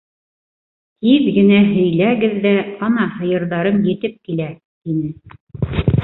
Тиҙ генә һөйләгеҙ ҙә, ана һыйырҙарым етеп килә, - тине.